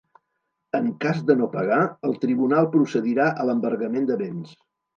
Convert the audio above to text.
En cas de no pagar, el tribunal procedirà a l’embargament de béns.